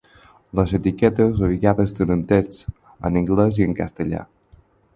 Les etiquetes a vegades tenen text en anglès i en castellà.